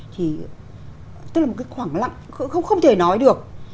thì tức là một cái khoảng lặng không thể nói được